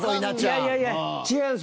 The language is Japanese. いやいやいや違うんです。